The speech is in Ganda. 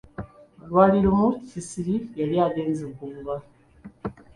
Lwali lumu Kisiri yali agenze okuvuba.